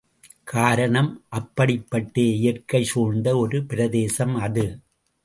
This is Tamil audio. காரணம், அப்படிப்பட்ட இயற்கை சூழ்ந்த ஒரு பிரதேசம் அது.